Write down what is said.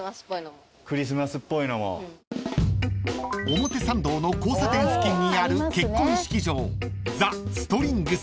［表参道の交差点付近にある結婚式場ザストリングス］